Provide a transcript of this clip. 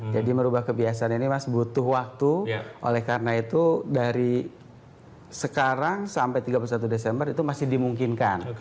jadi merubah kebiasaan ini mas butuh waktu oleh karena itu dari sekarang sampai tiga puluh satu desember itu masih dimungkinkan